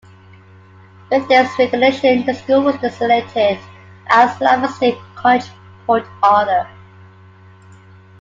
With this recognition, the school was designated as Lamar State College-Port Arthur.